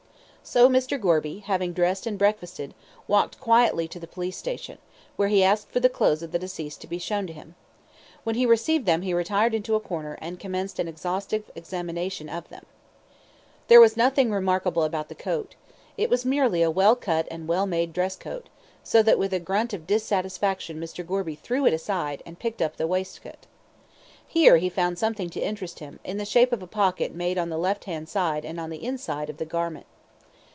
So Mr. Gorby, having dressed and breakfasted, walked quickly to the police station, where he asked for the clothes of the deceased to be shown to him. When he received them he retired into a corner, and commenced an exhaustive examination of them. There was nothing remarkable about the coat. It was merely a well cut and well made dress coat; so with a grunt of dissatisfaction Mr. Gorby threw it aside, and picked up the waistcoat. Here he found something to interest him, in the shape of a pocket made on the left hand side and on the inside, of the garment.